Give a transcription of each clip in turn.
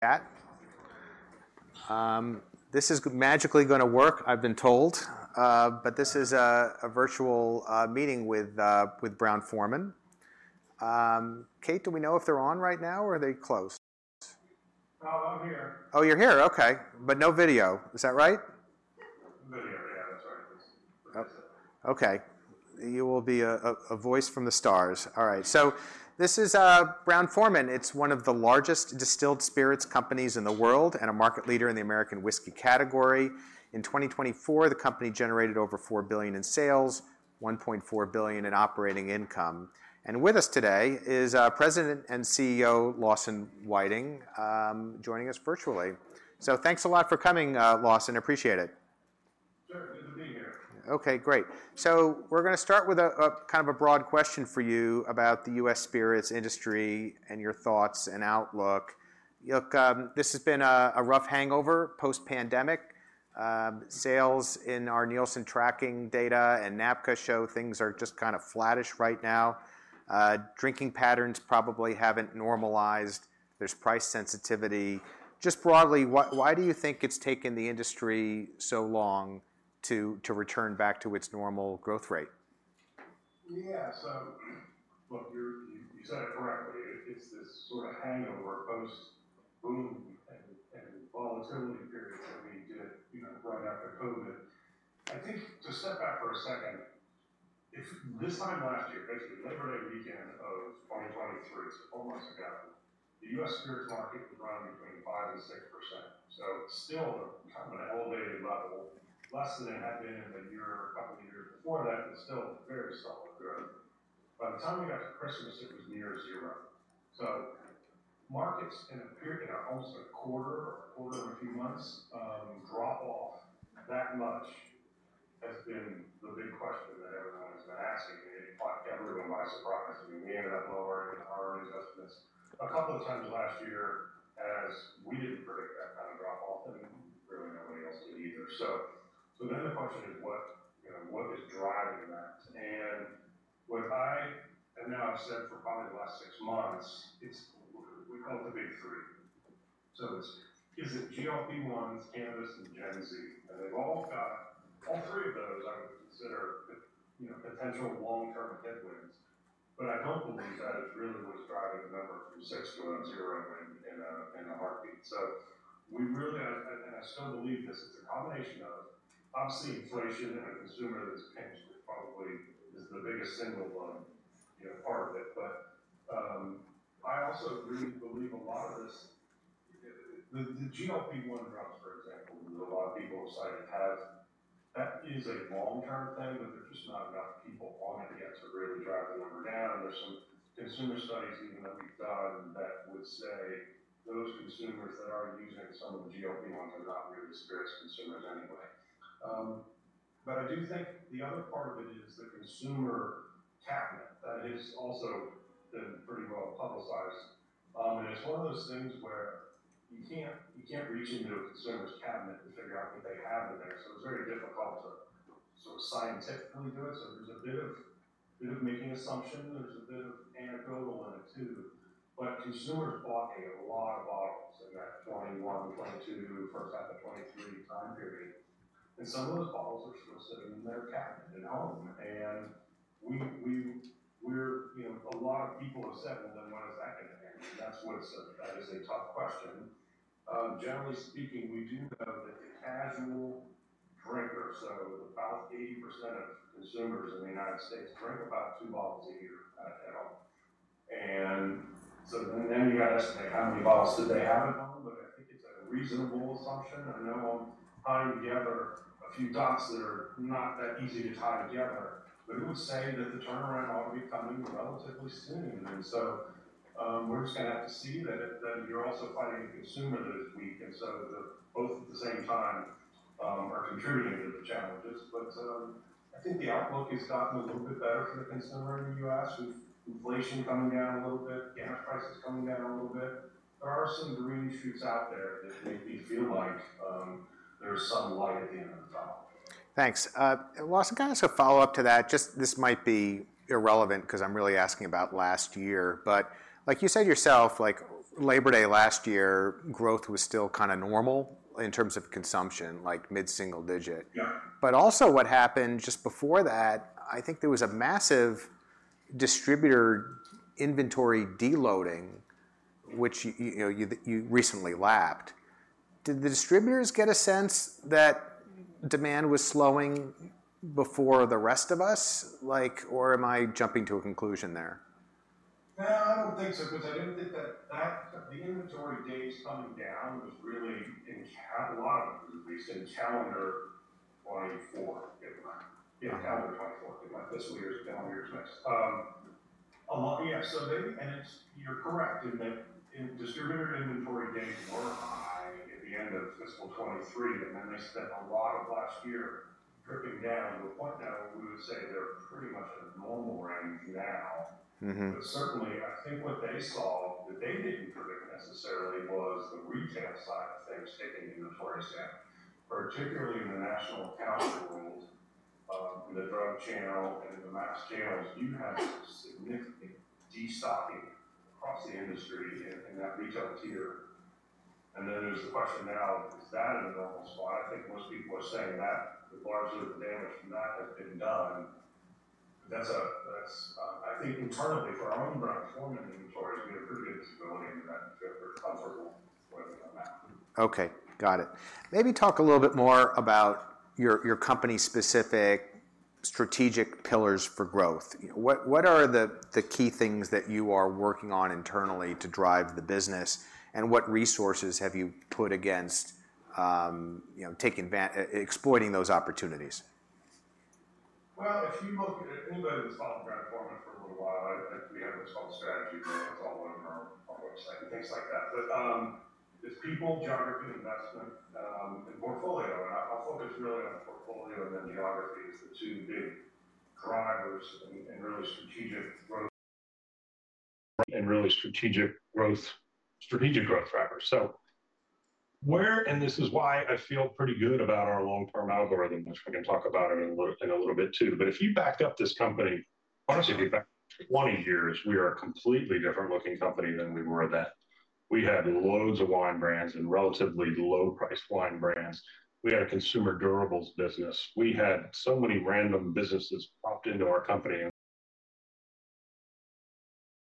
...that. This is magically going to work, I've been told, but this is a virtual meeting with Brown-Forman. Kate, do we know if they're on right now, or are they close? No, I'm here. Oh, you're here? Okay. But no video, is that right? Video, yeah, sorry. Oh, okay. You will be a voice from the stars. All right, so this is Brown-Forman. It's one of the largest distilled spirits companies in the world, and a market leader in the American whiskey category. In 2024, the company generated over $4 billion in sales, $1.4 billion in operating income. And with us today is our President and CEO, Lawson Whiting, joining us virtually. So thanks a lot for coming, Lawson. Appreciate it. Sure, good to be here. Okay, great. So we're gonna start with kind of a broad question for you about the U.S. spirits industry and your thoughts and outlook. Look, this has been a rough hangover post-pandemic. Sales in our Nielsen tracking data and NABCA show things are just kind of flattish right now. Drinking patterns probably haven't normalized. There's price sensitivity. Just broadly, why do you think it's taken the industry so long to return back to its normal growth rate? Yeah. So, look, you said it correctly. It's this sorta hangover post-boom and volatility period that we did, you know, right after COVID. I think to step back for a second, at this time last year, basically Labor Day weekend of 2023, so four months ago, the U.S. spirits market was running between 5% and 6%. So still at a kind of elevated level, less than it had been in the year or a couple of years before that, but still very solid growth. By the time we got to Christmas, it was near 0%. So the market in a period of almost a quarter and a few months drop off that much has been the big question that everyone has been asking, and it caught everyone by surprise. I mean, we ended up lowering our own estimates a couple of times last year, as we didn't predict that kind of drop-off, and really nobody else did either. So then the question is, you know, what is driving that? And now I've said for probably the last six months, it's what we call the big three. So it's GLP-1s, cannabis, and Gen Z? And all three of those I would consider, you know, potential long-term headwinds. But I don't believe that is really what's driving the number from six to zero in a heartbeat. So I still believe this is a combination of, obviously, inflation and a consumer that's pinched, probably is the biggest single one, you know, part of it. But I also believe a lot of this, the GLP-1 drops, for example. A lot of people have cited has. That is a long-term thing, but there's just not enough people on it yet to really drive the number down. There's some consumer studies, even that we've done, that would say those consumers that are using some of the GLP-1s are not really spirits consumers anyway. But I do think the other part of it is the consumer cabinet. That has also been pretty well-publicized. And it's one of those things where you can't reach into a consumer's cabinet to figure out what they have in there, so it's very difficult to sort of scientifically do it. So there's a bit of making assumption. There's a bit of anecdotal in it, too. But consumers bought a lot of bottles in that 2021, 2022, first half of 2023 time period, and some of those bottles are still sitting in their cabinet at home. And we're, you know, a lot of people have said, "Well, then when is that going to end?" That's a tough question. Generally speaking, we do know that the casual drinker, so about 80% of consumers in the United States, drink about two bottles a year at home. And so then you gotta estimate how many bottles did they have at home, but I think it's a reasonable assumption. I know I'm tying together a few dots that are not that easy to tie together, but we would say that the turnaround ought to be coming relatively soon. And so, we're just gonna have to see that you're also fighting a consumer that is weak, and so both at the same time are contributing to the challenges. But, I think the outlook has gotten a little bit better for the consumer in the U.S. with inflation coming down a little bit, gas prices coming down a little bit. There are some green shoots out there that make me feel like there's some light at the end of the tunnel. Thanks. Lawson, kind of as a follow-up to that, just this might be irrelevant because I'm really asking about last year. But like you said yourself, like Labor Day last year, growth was still kinda normal in terms of consumption, like mid-single digit. Yeah. But also what happened just before that, I think there was a massive distributor inventory de-loading, which, you know, you recently lapped. Did the distributors get a sense that demand was slowing before the rest of us? Like, or am I jumping to a conclusion there? No, I don't think so, because I didn't think the inventory days coming down was really a lot of it was in calendar 2024, in my fiscal year, calendar year. A lot, and it's, you're correct in that distributor inventory days were high at the end of fiscal 2023, and then they spent a lot of last year dripping down to the point now where we would say they're pretty much at a normal range now. Mm-hmm. But certainly, I think what they saw, that they didn't predict necessarily, was the retail side of things taking inventory down, particularly in the national account world. The drug channel and the mass channels, you have significant destocking across the industry in that retail tier, and then there's the question now: is that in a normal spot? I think most people are saying that the large group of damage from that has been done. That's, I think internally for our own Brown-Forman inventories, we have pretty good visibility into that we're comfortable with them now. Okay, got it. Maybe talk a little bit more about your company's specific strategic pillars for growth. What are the key things that you are working on internally to drive the business? And what resources have you put against, you know, exploiting those opportunities? If you look anybody that's followed Brown-Forman for a little while, I we have this whole strategy, it's all on our, our website and things like that. But it's people, geography, investment, and portfolio. And I'll focus really on the portfolio and then geography is the two big drivers and really strategic growth, strategic growth drivers. So and this is why I feel pretty good about our long-term algorithm, which we can talk about it in a little bit, too. But if you backed up this company, honestly, if you back 20 years, we are a completely different looking company than we were then. We had loads of wine brands and relatively low-priced wine brands. We had a consumer durables business. We had so many random businesses popped into our company. We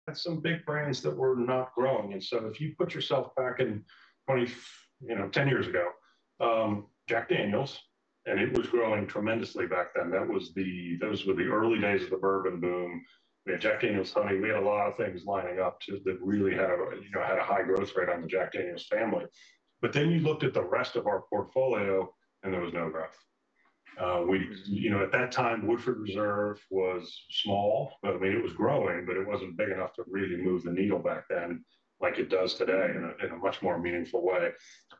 had some big brands that were not growing. And so if you put yourself back in 20, you know, 10 years ago, Jack Daniel's, and it was growing tremendously back then. That was, those were the early days of the bourbon boom. We had Jack Daniel's Honey, we had a lot of things lining up that really had a, you know, high growth rate on the Jack Daniel's family. But then you looked at the rest of our portfolio, and there was no growth. We, you know, at that time, Woodford Reserve was small. I mean, it was growing, but it wasn't big enough to really move the needle back then, like it does today in a much more meaningful way.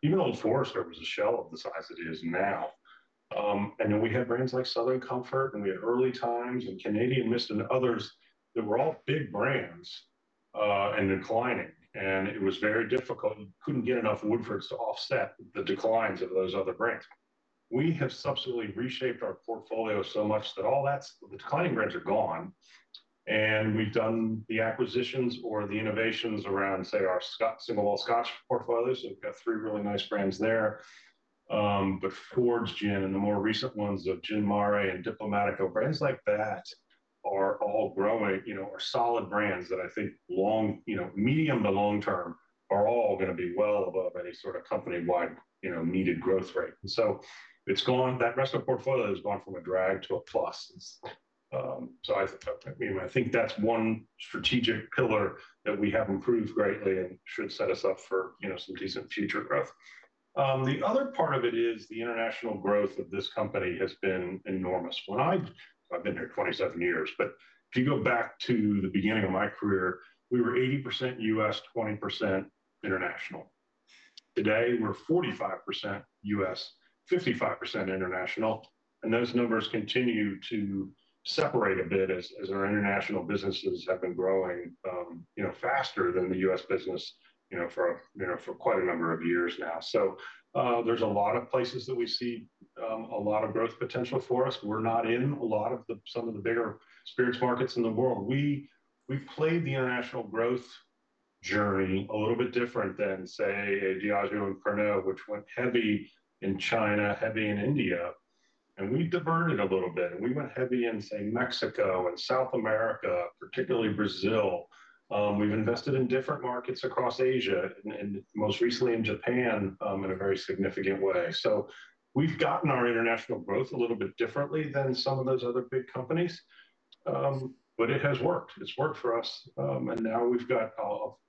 Even Old Forester was a shell of the size it is now. And then we had brands like Southern Comfort, and we had Early Times and Canadian Mist and others that were all big brands, and declining. And it was very difficult. We couldn't get enough Woodford to offset the declines of those other brands. We have subsequently reshaped our portfolio so much that all that's... the declining brands are gone, and we've done the acquisitions or the innovations around, say, our single malt Scotch portfolios. So we've got three really nice brands there. But Fords Gin and the more recent ones of Gin Mare and Diplomático, brands like that are all growing, you know, are solid brands that I think long, you know, medium to long term, are all gonna be well above any sort of company-wide, you know, needed growth rate. So it's gone, that rest of the portfolio has gone from a drag to a plus. So I mean, I think that's one strategic pillar that we have improved greatly and should set us up for, you know, some decent future growth. The other part of it is the international growth of this company has been enormous. When I... I've been here 27 years, but if you go back to the beginning of my career, we were 80% U.S., 20% international. Today, we're 45% U.S., 55% international, and those numbers continue to separate a bit as our international businesses have been growing, you know, faster than the U.S. business, you know, for, you know, for quite a number of years now. So, there's a lot of places that we see, a lot of growth potential for us. We're not in a lot of the, some of the bigger spirits markets in the world. We, we've played the international growth journey a little bit different than, say, a Diageo and Pernod, which went heavy in China, heavy in India, and we diverted a little bit, and we went heavy in, say, Mexico and South America, particularly Brazil. We've invested in different markets across Asia and most recently in Japan, in a very significant way. So we've gotten our international growth a little bit differently than some of those other big companies. But it has worked. It's worked for us, and now we've got, I'll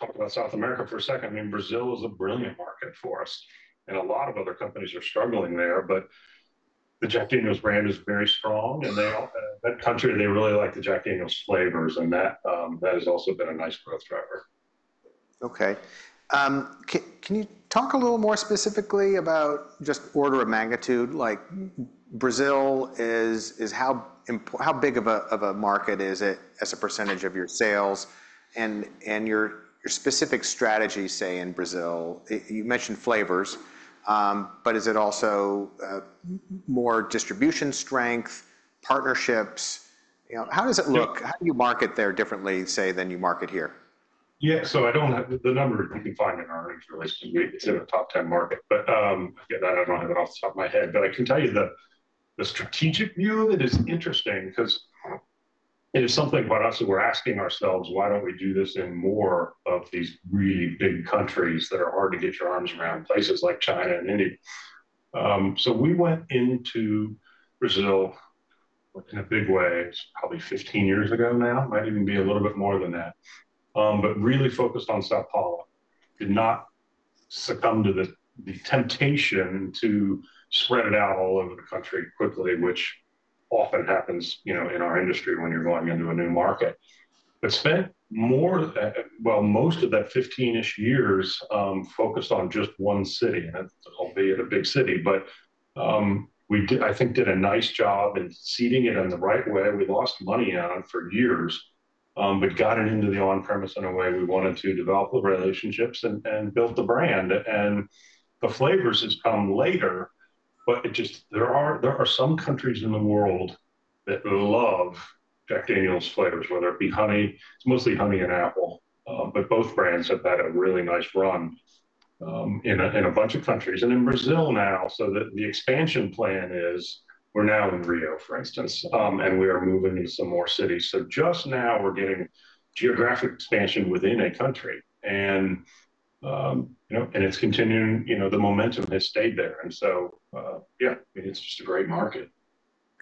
talk about South America for a second. I mean, Brazil is a brilliant market for us, and a lot of other companies are struggling there, but the Jack Daniel's brand is very strong, and they, that country, they really like the Jack Daniel's flavors, and that has also been a nice growth driver. Okay. Can you talk a little more specifically about just order of magnitude? Like, Brazil is how big of a market is it as a percentage of your sales and your specific strategy, say, in Brazil? You mentioned flavors, but is it also more distribution strength, partnerships? You know, how does it look? How do you market there differently, say, than you market here? Yeah. So I don't have the number you can find in our industry; it's in a top ten market. But, yeah, I don't have it off the top of my head. But I can tell you the strategic view of it is interesting because it is something about us that we're asking ourselves, why don't we do this in more of these really big countries that are hard to get your arms around, places like China and India? So we went into Brazil in a big way, probably 15 years ago now, might even be a little bit more than that. But really focused on São Paulo. Did not succumb to the temptation to spread it out all over the country quickly, which often happens, you know, in our industry when you're going into a new market. But spent more, well, most of that fifteen-ish years, focused on just one city, and albeit a big city, but, we did, I think, a nice job in seeding it in the right way. We lost money on it for years... but got it into the on-premise in a way we wanted to develop the relationships and built the brand. And the flavors has come later, but it just, there are some countries in the world that love Jack Daniel's flavors, whether it be honey... It's mostly honey and apple, but both brands have had a really nice run, in a bunch of countries, and in Brazil now. So the expansion plan is we're now in Rio, for instance, and we are moving into some more cities. So just now we're getting geographic expansion within a country, and, you know, and it's continuing. You know, the momentum has stayed there. And so, yeah, it's just a great market.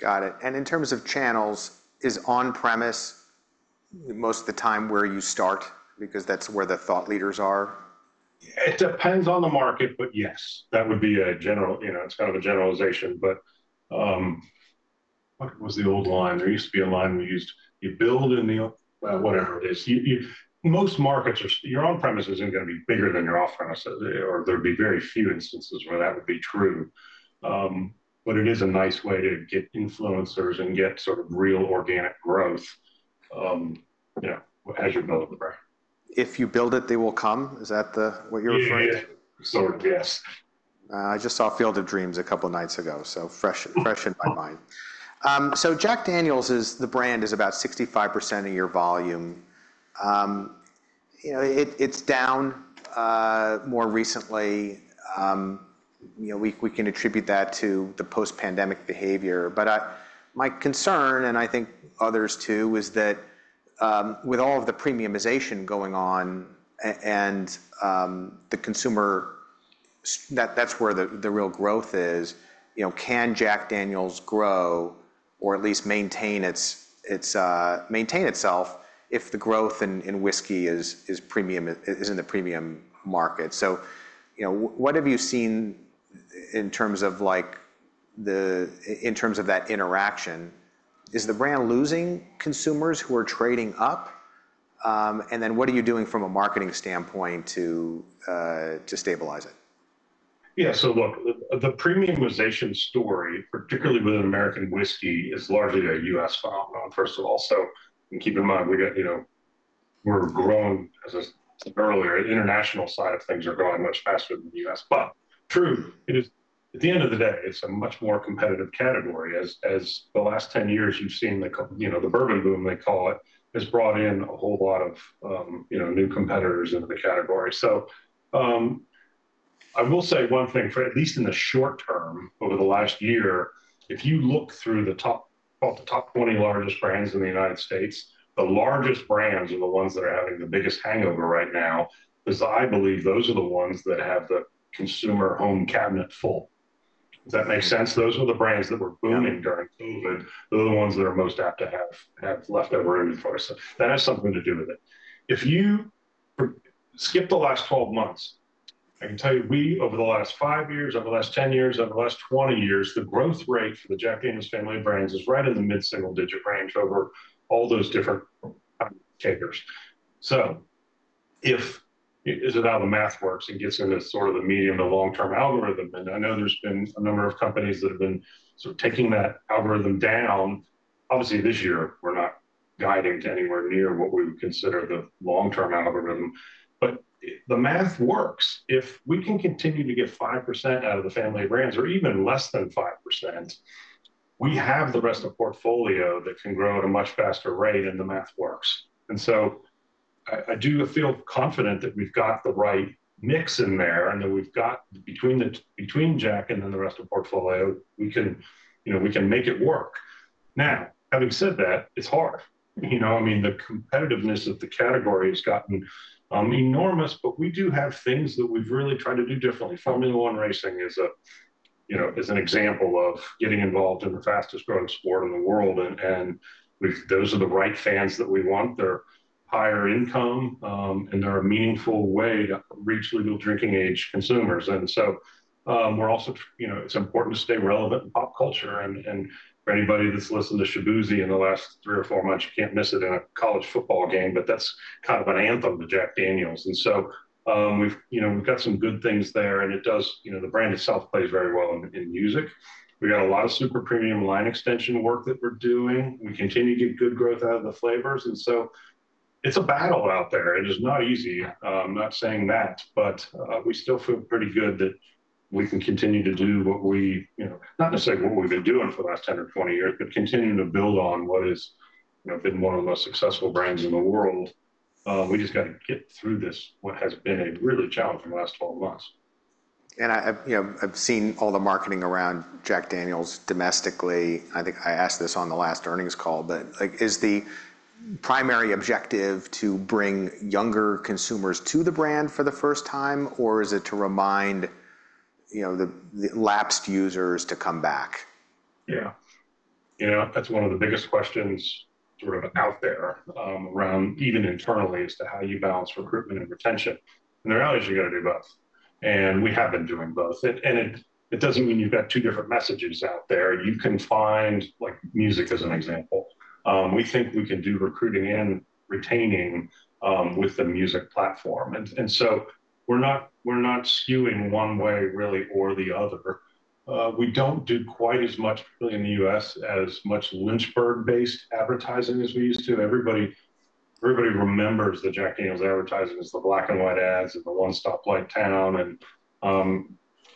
Got it. And in terms of channels, is on-premise most of the time where you start because that's where the thought leaders are? It depends on the market, but yes, that would be a general... You know, it's kind of a generalization, but, what was the old line? There used to be a line we used. You build in the o- well, whatever it is. You most markets are- your on-premise isn't gonna be bigger than your off-premise, or there'd be very few instances where that would be true. But it is a nice way to get influencers and get sort of real organic growth, you know, as you build the brand. If you build it, they will come, is that what you're referring to? Yeah. Sort of, yes. I just saw Field of Dreams a couple of nights ago, so fresh in my mind. So Jack Daniel's, the brand, is about 65% of your volume. You know, it, it's down more recently. You know, we can attribute that to the post-pandemic behavior. But my concern, and I think others too, is that with all of the premiumization going on, and the consumer that's where the real growth is, you know, can Jack Daniel's grow or at least maintain itself if the growth in whiskey is premium, is in the premium market? So, you know, what have you seen in terms of, like, that interaction? Is the brand losing consumers who are trading up? And then what are you doing from a marketing standpoint to stabilize it? Yeah, so look, the premiumization story, particularly within American whiskey, is largely a U.S. phenomenon, first of all. And keep in mind, we got, you know, we're growing, as I said earlier, the international side of things are growing much faster than the U.S. But true, it is, at the end of the day, it's a much more competitive category as the last 10 years you've seen the, you know, the bourbon boom, they call it, has brought in a whole lot of, you know, new competitors into the category. I will say one thing, for at least in the short term, over the last year, if you look through the top, well, the top 20 largest brands in the United States, the largest brands are the ones that are having the biggest hangover right now. Because I believe those are the ones that have the consumer home cabinet full. Does that make sense? Those are the brands that were booming during COVID, they're the ones that are most apt to have leftover room for us. So that has something to do with it. If you skip the last twelve months, I can tell you, we, over the last five years, over the last ten years, over the last twenty years, the growth rate for the Jack Daniel's family of brands is right in the mid-single-digit range over all those different timeframes. So if... This is how the math works, it gets into sort of the medium to long-term algorithm, and I know there's been a number of companies that have been sort of taking that algorithm down. Obviously, this year, we're not guiding to anywhere near what we would consider the long-term algorithm, but the math works. If we can continue to get 5% out of the family of brands, or even less than 5%, we have the rest of the portfolio that can grow at a much faster rate, and the math works. And so I do feel confident that we've got the right mix in there, and that we've got between Jack and then the rest of the portfolio, we can, you know, we can make it work. Now, having said that, it's hard. You know, I mean, the competitiveness of the category has gotten enormous, but we do have things that we've really tried to do differently. Formula One racing is, you know, an example of getting involved in the fastest growing sport in the world, and those are the right fans that we want. They're higher income, and they're a meaningful way to reach legal drinking age consumers. And so, we're also, you know, it's important to stay relevant in pop culture. And for anybody that's listened to Shaboozey in the last three or four months, you can't miss it in a college football game, but that's kind of an anthem to Jack Daniel's. And so, we've, you know, got some good things there, and it does. You know, the brand itself plays very well in music. We got a lot of super premium line extension work that we're doing. We continue to get good growth out of the flavors, and so it's a battle out there. It is not easy. I'm not saying that, but we still feel pretty good that we can continue to do what we, you know, not necessarily what we've been doing for the last ten or twenty years, but continuing to build on what has, you know, been one of the most successful brands in the world. We just got to get through this, what has been a really challenging last twelve months. I've, you know, seen all the marketing around Jack Daniel's domestically. I think I asked this on the last earnings call, but like, is the primary objective to bring younger consumers to the brand for the first time, or is it to remind, you know, the lapsed users to come back? Yeah. You know, that's one of the biggest questions sort of out there around even internally as to how you balance recruitment and retention. The reality is you've got to do both, and we have been doing both, and it doesn't mean you've got two different messages out there. You can find, like music as an example, we think we can do recruiting and retaining with the music platform, and so we're not skewing one way really or the other. We don't do quite as much in the U.S. as much Lynchburg-based advertising as we used to. Everybody remembers the Jack Daniel's advertising as the black and white ads and the one-stop light town.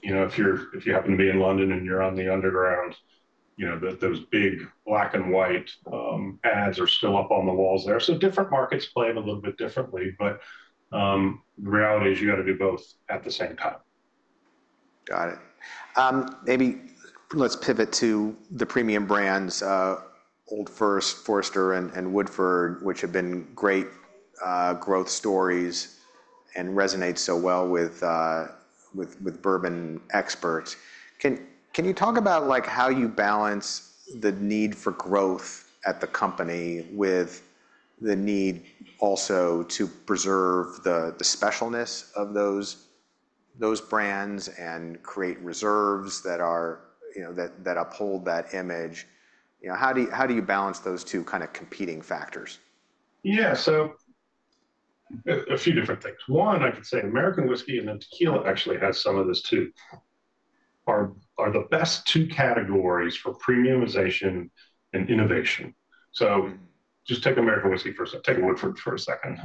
You know, if you happen to be in London and you're on the underground, you know, those big black and white ads are still up on the walls there. Different markets play it a little bit differently, but the reality is you gotta do both at the same time. Got it. Maybe let's pivot to the premium brands, Old Forester, and Woodford, which have been great growth stories and resonate so well with bourbon experts. Can you talk about, like, how you balance the need for growth at the company with the need also to preserve the specialness of those brands and create reserves that are, you know, that uphold that image? You know, how do you balance those two kinda competing factors? Yeah. So a few different things. One, I could say American whiskey, and then tequila actually has some of this, too, are the best two categories for premiumization and innovation. So just take American whiskey for a second, take Woodford for a second.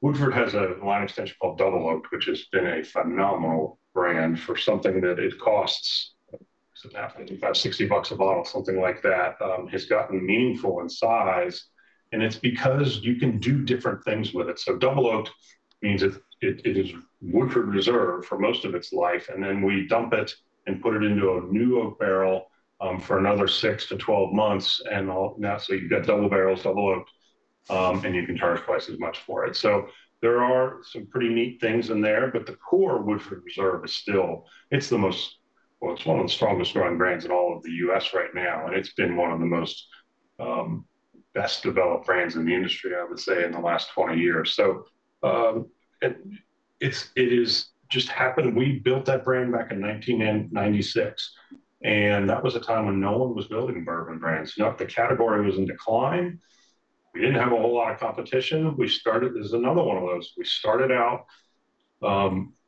Woodford has a line extension called Double Oaked, which has been a phenomenal brand for something that it costs, is it $55-$60 a bottle, something like that, has gotten meaningful in size, and it's because you can do different things with it. So Double Oaked means it is Woodford Reserve for most of its life, and then we dump it and put it into a new oak barrel for another 6 to 12 months. Now, so you've got double barrels, double oaked, and you can charge twice as much for it. So there are some pretty neat things in there, but the core Woodford Reserve is still. It's the most, well, it's one of the strongest growing brands in all of the U.S. right now, and it's been one of the most best-developed brands in the industry, I would say, in the last 20 years. And it's, it is just happened. We built that brand back in nineteen ninety-six, and that was a time when no one was building bourbon brands. Now, the category was in decline. We didn't have a whole lot of competition. We started. This is another one of those. We started out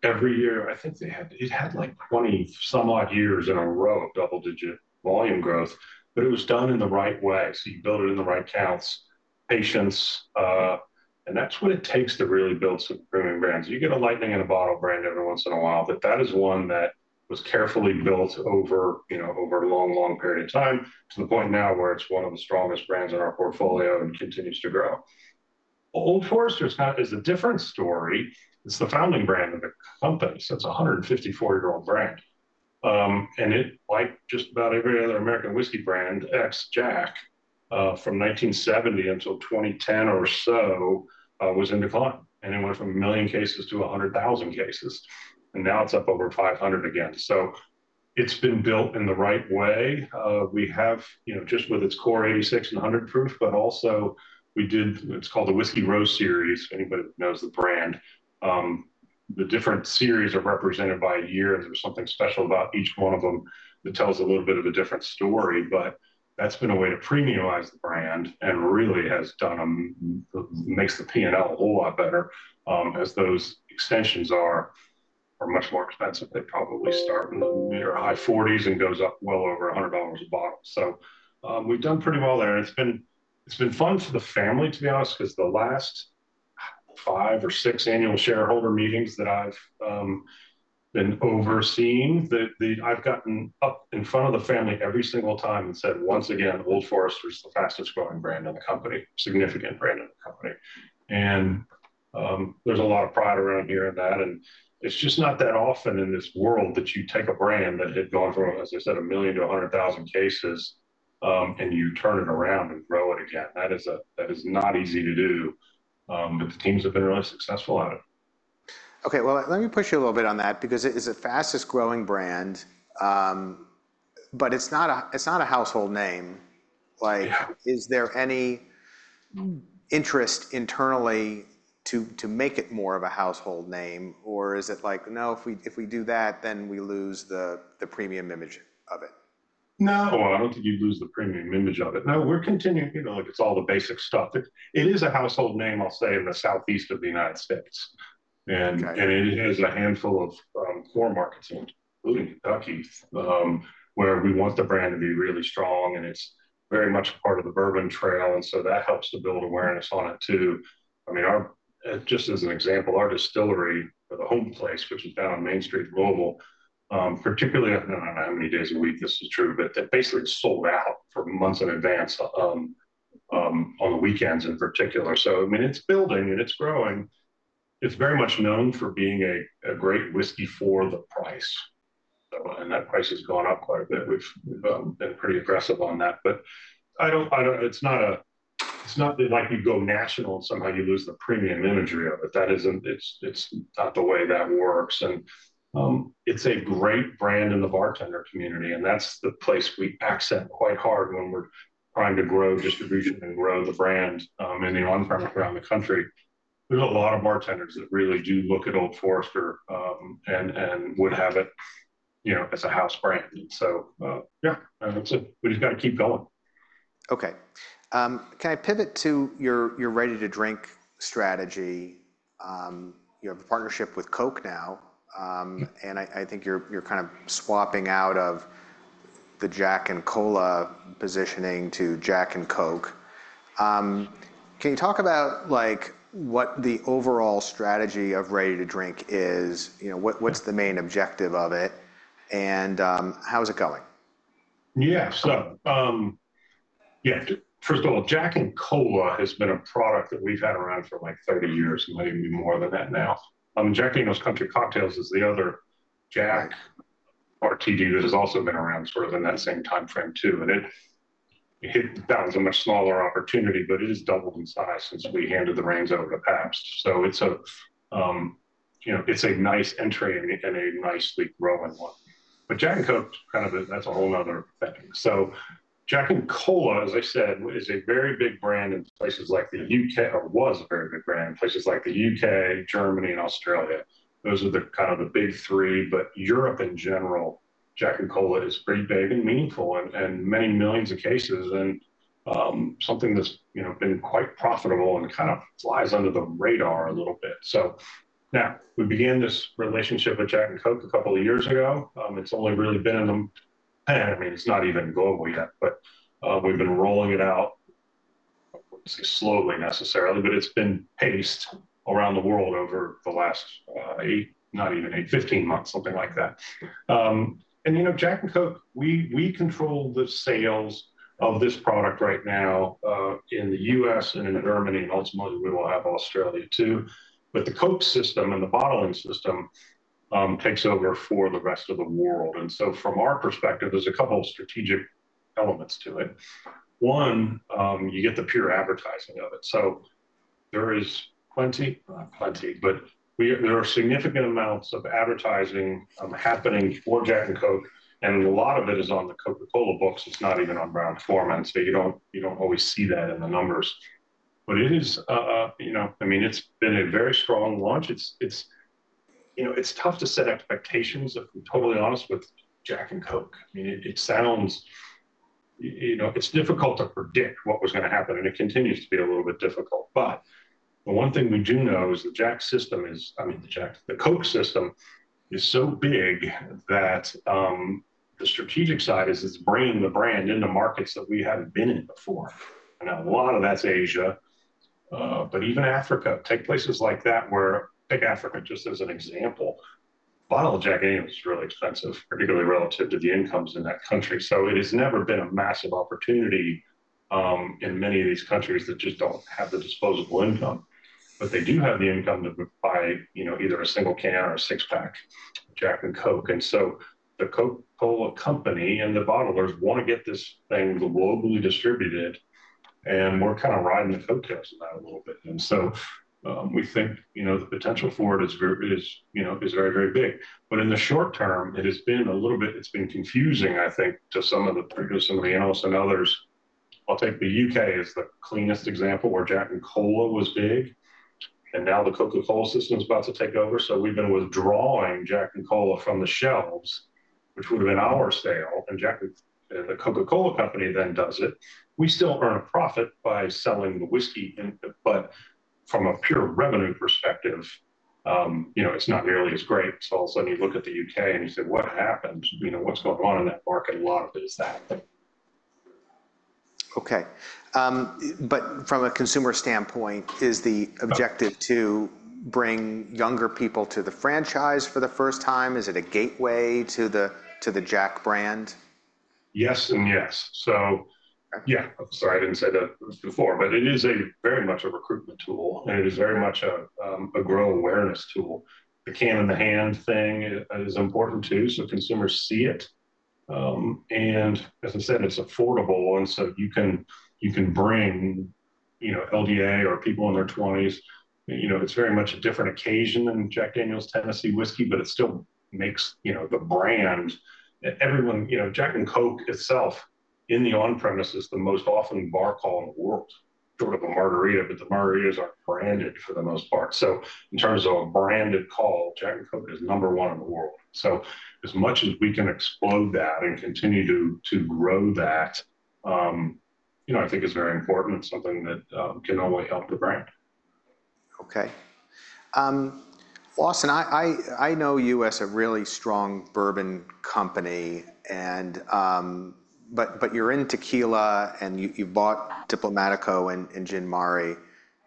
every year, I think they had. It had, like, 20-some-odd years in a row of double-digit volume growth, but it was done in the right way. So you build it in the right counts, patience, and that's what it takes to really build some premium brands. You get a lightning in a bottle brand every once in a while, but that is one that was carefully built over, you know, over a long, long period of time, to the point now where it's one of the strongest brands in our portfolio and continues to grow. Old Forester's kind is a different story. It's the founding brand of the company, so it's a 154-year-old brand, and it, like just about every other American whiskey brand, ex-Jack, from 1970 until 2010 or so, was in decline, and it went from 1 million cases to 100,000 cases, and now it's up over 500,000 again. So it's been built in the right way. We have, you know, just with its core, 86- and 100-proof, but also we did, it's called the Whiskey Row Series, if anybody knows the brand. The different series are represented by a year, and there's something special about each one of them that tells a little bit of a different story, but that's been a way to premiumize the brand and really has done, makes the P&L a whole lot better, as those extensions are much more expensive. They probably start in the mid- or high-$40s and goes up well over $100 a bottle. So, we've done pretty well there, and it's been fun for the family, to be honest, 'cause the last five or six annual shareholder meetings that I've been overseeing, the... I've gotten up in front of the family every single time and said, "Once again, Old Forester is the fastest-growing brand in the company, significant brand in the company." And there's a lot of pride around hearing that, and it's just not that often in this world that you take a brand that had gone from, as I said, 1 million to 100,000 cases, and you turn it around and grow it again. That is not easy to do, but the teams have been really successful at it. Okay, well, let me push you a little bit on that because it is the fastest-growing brand, but it's not a household name. Like- Yeah... is there any interest internally to make it more of a household name, or is it like, "No, if we do that, then we lose the premium image of it? No, I don't think you'd lose the premium image of it. No, we're continuing, you know, like it's all the basic stuff. It, it is a household name, I'll say, in the Southeast of the United States, and- Got you... and it is a handful of core markets, including Kentucky, where we want the brand to be really strong, and it's very much a part of the Bourbon Trail, and so that helps to build awareness on it, too. I mean, our just as an example, our distillery or the home place, which is down on Main Street, Louisville, particularly, I don't know how many days a week this is true, but it basically is sold out for months in advance on the weekends in particular. So, I mean, it's building and it's growing. It's very much known for being a great whiskey for the price, so, and that price has gone up quite a bit. We've been pretty aggressive on that. But I don't... It's not like you go national and somehow you lose the premium imagery of it. That isn't the way that works, and it's a great brand in the bartender community, and that's the place we accent quite hard when we're trying to grow distribution and grow the brand in the on-premise around the country. There's a lot of bartenders that really do look at Old Forester, and would have it, you know, as a house brand, so yeah, that's it. We've just got to keep going.... Okay. Can I pivot to your ready-to-drink strategy? You have a partnership with Coke now, and I think you're kind of swapping out of the Jack and Cola positioning to Jack and Coke. Can you talk about, like, what the overall strategy of ready-to-drink is? You know, what's the main objective of it, and how is it going? Yeah. So, yeah, first of all, Jack and Cola has been a product that we've had around for, like, thirty years, and maybe even more than that now. Jack Daniel's Country Cocktails is the other Jack RTD that has also been around sort of in the same timeframe, too, and it. That was a much smaller opportunity, but it has doubled in size since we handed the reins over to Pabst. So it's a, you know, it's a nice entry and a nicely growing one. But Jack and Coke, kind of, that's a whole other thing. So Jack and Cola, as I said, is a very big brand in places like the U.K., or was a very big brand in places like the U.K., Germany, and Australia. Those are the kind of the big three, but Europe in general, Jack and Cola is pretty big and meaningful and, and many millions of cases, and, something that's, you know, been quite profitable and kind of flies under the radar a little bit. So now, we began this relationship with Jack and Coke a couple of years ago. It's only really been in the... I mean, it's not even global yet, but, we've been rolling it out, slowly necessarily, but it's been paced around the world over the last, eight, not even eight, fifteen months, something like that. And, you know, Jack and Coke, we, we control the sales of this product right now, in the U.S. and in Germany, and ultimately, we will have Australia, too. But the Coke system and the bottling system takes over for the rest of the world. And so from our perspective, there's a couple of strategic elements to it. One, you get the pure advertising of it. So there is plenty, not plenty, but there are significant amounts of advertising happening for Jack and Coke, and a lot of it is on the Coca-Cola books. It's not even on Brown-Forman, so you don't always see that in the numbers. But it is, you know, I mean, it's been a very strong launch. It's, you know, it's tough to set expectations, if I'm totally honest, with Jack and Coke. I mean, it sounds... You know, it's difficult to predict what was gonna happen, and it continues to be a little bit difficult. But the one thing we do know is, I mean, the Jack, the Coke system is so big that, the strategic side is it's bringing the brand into markets that we haven't been in before, and a lot of that's Asia, but even Africa. Take places like that, where. Take Africa, just as an example. Bottle of Jack Daniel's is really expensive, particularly relative to the incomes in that country, so it has never been a massive opportunity, in many of these countries that just don't have the disposable income. But they do have the income to buy, you know, either a single can or a six-pack Jack and Coke. And so the Coca-Cola Company and the bottlers want to get this thing globally distributed, and we're kind of riding the coattails of that a little bit. We think, you know, the potential for it is very, you know, very big. But in the short term, it has been a little bit. It's been confusing, I think, to some of the press, some of the analysts and others. I'll take the U.K. as the cleanest example, where Jack and Cola was big, and now the Coca-Cola system is about to take over. So we've been withdrawing Jack and Cola from the shelves, which would have been our sale, and Jack and. If the Coca-Cola Company then does it, we still earn a profit by selling the whiskey in, but from a pure revenue perspective, you know, it's not nearly as great. So all of a sudden, you look at the U.K., and you say, "What happened? You know, what's going on in that market?" A lot of it is that. Okay, but from a consumer standpoint, is the objective to bring younger people to the franchise for the first time? Is it a gateway to the Jack brand? Yes and yes. So, yeah, sorry, I didn't say that before, but it is very much a recruitment tool, and it is very much a grow awareness tool. The can in the hand thing is important, too, so consumers see it. And as I said, it's affordable, and so you can, you can bring, you know, LDA or people in their twenties. You know, it's very much a different occasion than Jack Daniel's Tennessee Whiskey, but it still makes, you know, the brand. And everyone. You know, Jack and Coke itself, in the on-premise, is the most often bar call in the world, sort of a margarita, but the margaritas aren't branded for the most part. So in terms of a branded call, Jack and Coke is number one in the world. So as much as we can explode that and continue to grow that, you know, I think is very important. It's something that can only help the brand. Okay. Lawson, I know you as a really strong bourbon company, and... But you're into tequila, and you bought Diplomático and Gin Mare,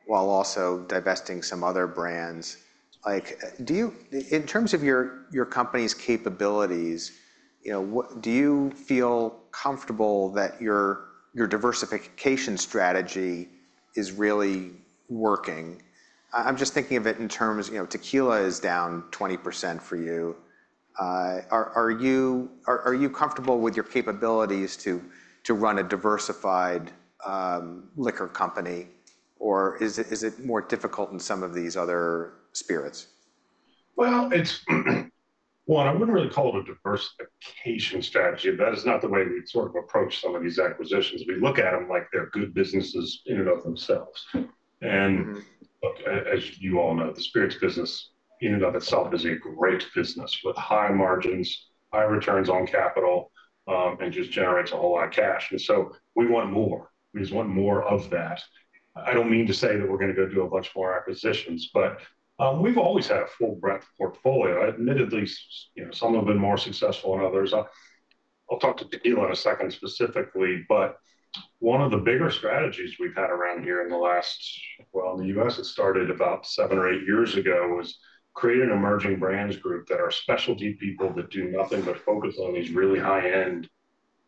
while also divesting some other brands. Like, do you-- In terms of your company's capabilities, you know, what do you feel comfortable that your diversification strategy is really working? I'm just thinking of it in terms, you know, tequila is down 20% for you. Are you comfortable with your capabilities to run a diversified liquor company, or is it more difficult in some of these other spirits? It's one. I wouldn't really call it a diversification strategy. That is not the way we'd sort of approach some of these acquisitions. We look at them like they're good businesses in and of themselves. And look, as you all know, the spirits business in and of itself is a great business, with high margins, high returns on capital, and just generates a whole lot of cash. And so we want more. We just want more of that. I don't mean to say that we're gonna go do a bunch more acquisitions, but we've always had a full breadth portfolio. Admittedly, you know, some have been more successful than others. I'll talk to tequila in a second specifically, but one of the bigger strategies we've had around here in the last... In the U.S., it started about seven or eight years ago. We created an Emerging Brands group that are specialty people that do nothing but focus on these really high-end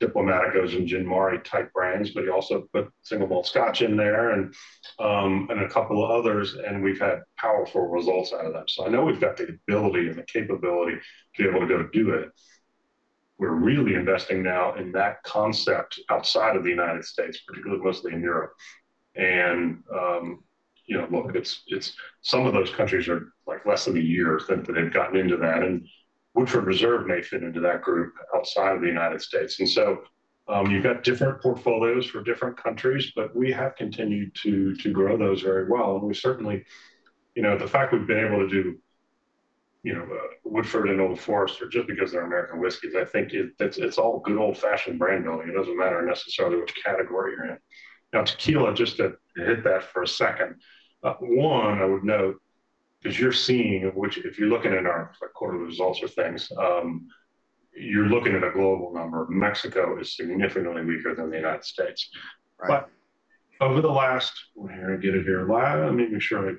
Diplomáticos and Gin Mare type brands. But you also put single malt Scotch in there and, and a couple of others, and we've had powerful results out of them. So I know we've got the ability and the capability to be able to go do it. We're really investing now in that concept outside of the United States, particularly mostly in Europe. And, you know, look, it's some of those countries are, like, less than a year since they've gotten into that, and Woodford Reserve may fit into that group outside of the United States. And so, you've got different portfolios for different countries, but we have continued to grow those very well. We certainly, you know, the fact we've been able to do, you know, Woodford and Old Forester just because they're American whiskeys, I think it's all good old-fashioned brand building. It doesn't matter necessarily which category you're in. Now, tequila, just to hit that for a second, one, I would note, as you're seeing, which if you're looking at our, like, quarter results or things, you're looking at a global number. Mexico is significantly weaker than the United States. Right. But over the last... Let me get it here. Let me make sure I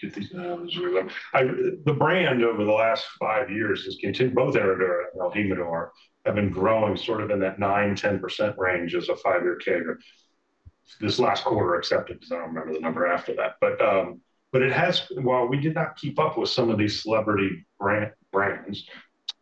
get these numbers right. The brand over the last five years has continued. Both Herradura and El Jimador have been growing sort of in that 9-10% range as a five-year category. This last quarter, except it, because I don't remember the number after that. But it has, while we did not keep up with some of these celebrity brands,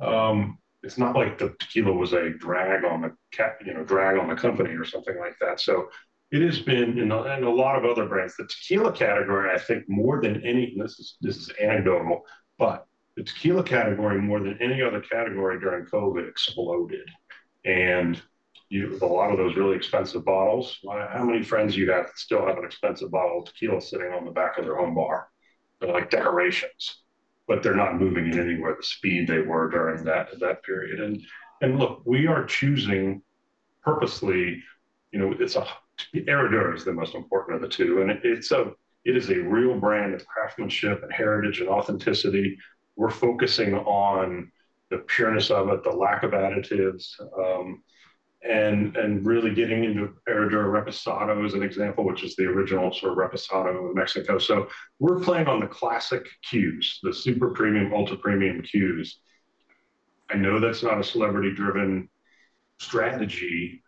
it's not like the tequila was a drag on the, you know, drag on the company or something like that. So it has been, you know, and a lot of other brands. The tequila category, I think, more than any, and this is, this is anecdotal, but the tequila category, more than any other category during COVID, exploded. And you, a lot of those really expensive bottles, how many friends do you have that still have an expensive bottle of tequila sitting on the back of their home bar? They're like decorations, but they're not moving at anywhere the speed they were during that period. And look, we are choosing purposely, you know, it's a Herradura is the most important of the two, and it's a, it is a real brand of craftsmanship and heritage and authenticity. We're focusing on the pureness of it, the lack of additives, and really getting into Herradura Reposado as an example, which is the original sort of Reposado in Mexico. So we're playing on the classic cues, the super premium, ultra premium cues. I know that's not a celebrity-driven strategy,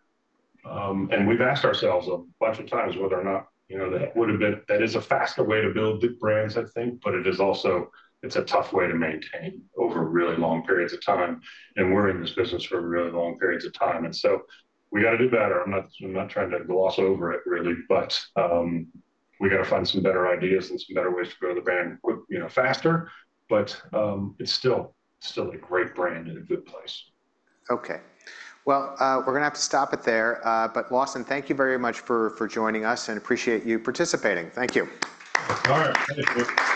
and we've asked ourselves a bunch of times whether or not, you know, that would have been... That is a faster way to build the brands, I think, but it is also, it's a tough way to maintain over really long periods of time, and we're in this business for really long periods of time. And so we got to do better. I'm not, I'm not trying to gloss over it, really, but, we got to find some better ideas and some better ways to grow the brand, you know, faster. But, it's still a great brand and a good place. Okay. Well, we're gonna have to stop it there. But Lawson, thank you very much for joining us, and appreciate you participating. Thank you. All right. Thank you.